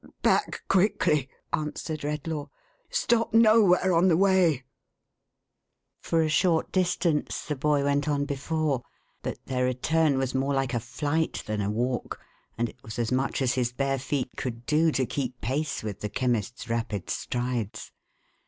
<; Back, quickly !" answered Redlaw. " Stop nowhere on the way." THE BOY BEFORE THE FIRE. 401 For a short distance the boy went on before ; but their return was more like a flight than a walk, and it was as much as his bare feet could do, to keep pace with the Chemist's rapid strides.